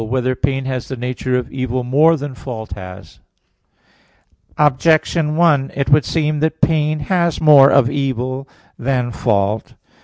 48, Art. 6] Whether Pain Has the Nature of Evil More Than Fault Has? Objection 1: It would seem that pain has more of evil than fault.